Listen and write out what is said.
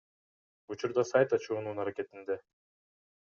Учурда сайт ачуунун аракетинде.